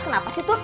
kenapa sih tut